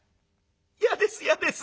嫌です嫌です。